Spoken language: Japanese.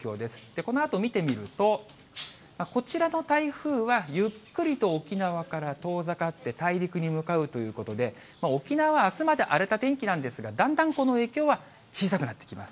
このあと見てみると、こちらの台風はゆっくりと沖縄から遠ざかって大陸に向かうということで、沖縄、あすまで荒れた天気なんですが、だんだんこの影響は小さくなってきます。